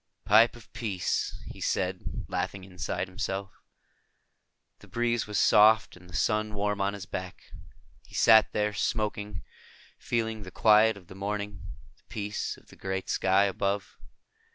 "Pipe of peace," he said, laughing inside himself. The breeze was soft and the sun warm on his back. He sat there, smoking, feeling the quiet of the morning, the peace of the great sky above.